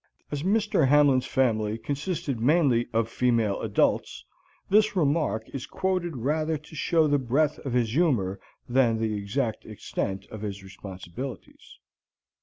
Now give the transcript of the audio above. As Mr. Hamlin's family consisted mainly of female adults, this remark is quoted rather to show the breadth of his humor than the exact extent of his responsibilities.